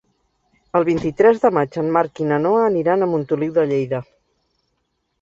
El vint-i-tres de maig en Marc i na Noa aniran a Montoliu de Lleida.